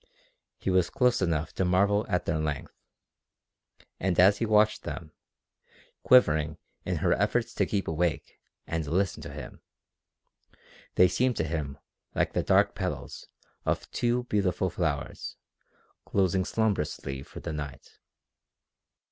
He was close enough to marvel at their length, and as he watched them, quivering in her efforts to keep awake and listen to him, they seemed to him like the dark petals of two beautiful flowers closing slumbrously for the night.